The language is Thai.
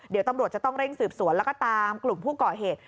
เดี๋ยวตำรวจจะต้องเร่งสืบสวนแล้วก็ตามกลุ่มผู้ก่อเหตุ